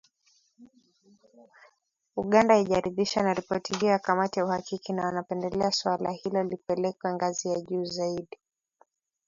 Uganda haijaridhishwa na ripoti hiyo ya kamati ya uhakiki na wanapendelea suala hilo lipelekwe ngazi ya juu zaidi.